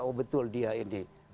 oh betul dia ini